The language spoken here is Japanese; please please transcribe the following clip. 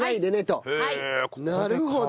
なるほど。